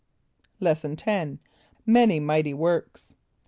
= Lesson X. Many Mighty Works.